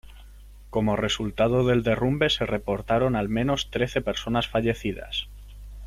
Como resultado del derrumbe se reportaron al menos trece personas fallecidas.